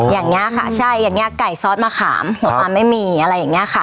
อย่างนี้ค่ะใช่อย่างนี้ไก่ซอสมะขามหัวปลาไม่มีอะไรอย่างเงี้ยค่ะ